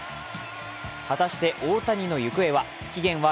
果たして大谷の行方は？